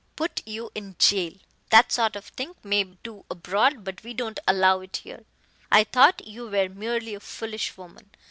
"Put you in jail. That sort of thing may do abroad but we don't allow it here. I thought you were merely a foolish woman.